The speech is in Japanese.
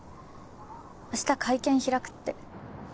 明日会見開くって。